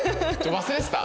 忘れてた。